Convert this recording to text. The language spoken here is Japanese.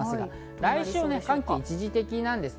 来週、寒気が一時的なんですね。